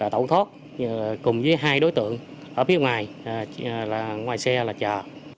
tẩu thoát cùng với hai đối tượng ở phía ngoài xe trà